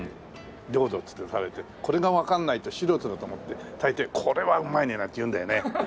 どうぞっていって出されてこれがわかんないと素人だと思って大抵「これはうまいね」なんて言うんだよね。